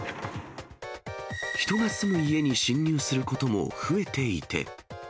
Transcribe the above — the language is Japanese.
人が住む家に侵入することも増えていて。